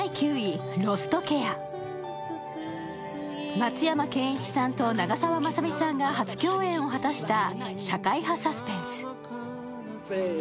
松山ケンイチさんと長澤まさみさんが初共演を果たした社会派サスペンス。